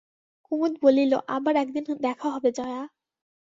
কুমুদ বলিল, আবার একদিন দেখা হবে জয়া।